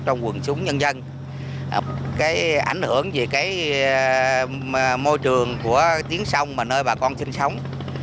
trong quần chúng nhân dân cái ảnh hưởng về cái môi trường của tiếng sông mà nơi bà con sinh sống